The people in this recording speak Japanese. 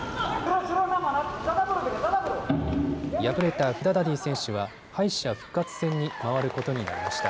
敗れたフダダディ選手は敗者復活戦に回ることになりました。